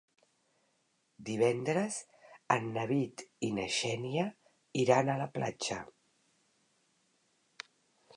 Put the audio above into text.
Divendres en David i na Xènia iran a la platja.